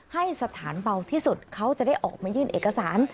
ให้สถานเบาที่สุดเขาจะได้ออกมายื่นเอกสาร